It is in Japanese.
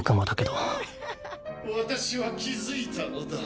私は気付いたのだ。